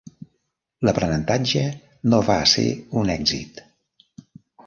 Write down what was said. L'aprenentatge no va ser un èxit.